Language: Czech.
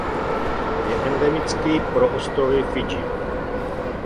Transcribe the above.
Je endemický pro ostrovy Fidži.